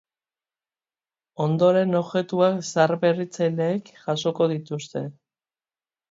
Ondoren objektuak zaharberritzaileek jasotzen dituzte.